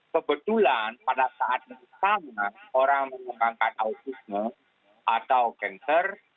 kebetulan pada saat pertama orang menyangkakan autisme atau kanker